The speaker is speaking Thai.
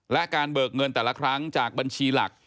และการเบิกเงินแต่ละครั้งจากบัญชีหลัก